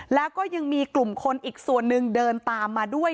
แล้วก็ยังมีกลุ่มคนอีกส่วนหนึ่งเดินตามมาด้วย